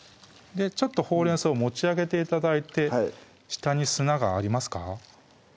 ちょっとほうれん草持ち上げて頂いて下に砂がありますか？